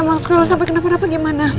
emang sekolah sampai kenapa napa gimana